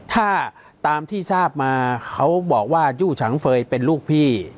ถ้าตามที่ทราบมาเขาบอกว่ายู่ฉังเฟย์เป็นลูกพี่